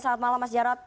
selamat malam mas jarod